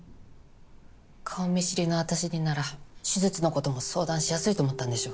顔見知りの私になら手術のことも相談しやすいと思ったんでしょ。